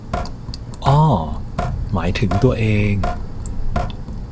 อ้อ หมายถึงตัวเอง